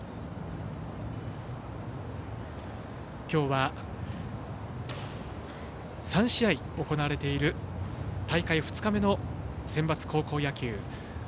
今日は３試合行われている大会２日目のセンバツ高校野球。